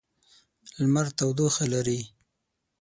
لمر تودوخه لري.